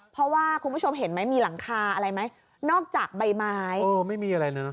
เพราะว่าคุณผู้ชมเห็นไหมมีหลังคาอะไรไหมนอกจากใบไม้เออไม่มีอะไรนะ